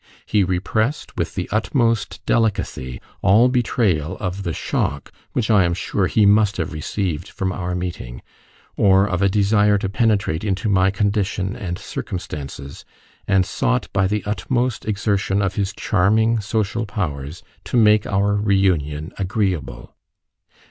He repressed with the utmost delicacy all betrayal of the shock which I am sure he must have received from our meeting, or of a desire to penetrate into my condition and circumstances, and sought by the utmost exertion of his charming social powers to make our reunion agreeable.